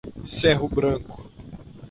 Cerro Branco